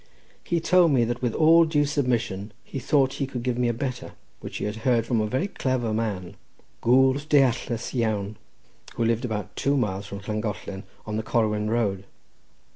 He told me that with all due submission he thought he could give me a better, which he had heard from a very clever man, gwr deallus iawn, who lived about two miles from Llangollen, on the Corwen road.